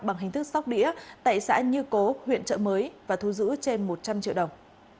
bằng hình thức sóc đĩa tại xã như cố huyện trợ mới và thu giữ trên một trăm linh triệu đồng